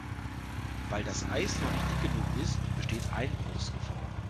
Weil das Eis noch nicht dick genug ist, besteht Einbruchsgefahr.